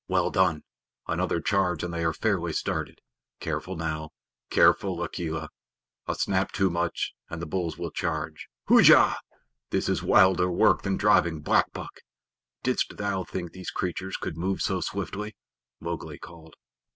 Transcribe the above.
"Well done! Another charge and they are fairly started. Careful, now careful, Akela. A snap too much and the bulls will charge. Hujah! This is wilder work than driving black buck. Didst thou think these creatures could move so swiftly?" Mowgli called.